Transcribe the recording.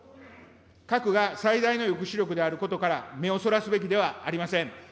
核が最大の抑止力であることから目をそらすべきではありません。